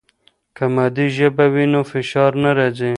که مادي ژبه وي نو فشار نه راځي.